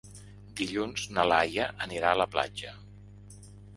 Dilluns na Laia anirà a la platja.